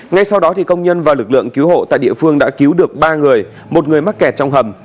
ngay sau đó công nhân và lực lượng cứu hộ tại địa phương đã cứu được ba người một người mắc kẹt trong hầm